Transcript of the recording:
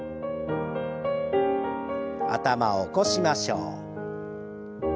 頭を起こしましょう。